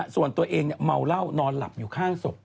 ส่วนตัวเองเมาเหล้านอนหลับอยู่ข้างศพ